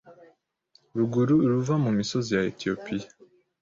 ruguru ruva mu misozi ya Etiyopiya.